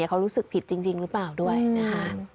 เขารู้สึกผิดจริงหรือเปล่าด้วยนะคะ